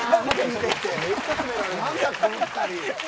何だこの２人。